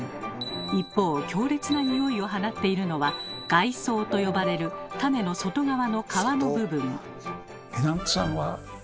一方強烈なニオイを放っているのは「外層」と呼ばれる種の外側の「皮」の部分。